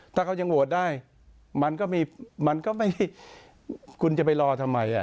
ถ้าเขายังโหวตได้มันก็ไม่คุณจะไปรอทำไม